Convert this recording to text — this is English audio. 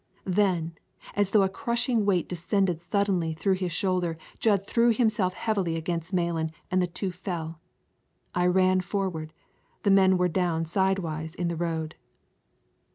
Then, as though a crushing weight descended suddenly through his shoulder, Jud threw himself heavily against Malan, and the two fell. I ran forward, the men were down sidewise in the road.